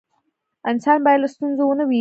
انسان باید له ستونزو ونه ویریږي.